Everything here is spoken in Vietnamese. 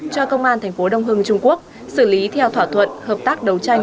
cho công an thành phố đông hưng trung quốc xử lý theo thỏa thuận hợp tác đấu tranh